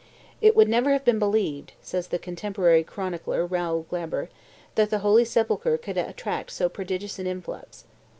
"It would never have been believed," says the contemporary chronicler Raoul Glaber, "that the Holy Sepulchre could attract so prodigious an influx.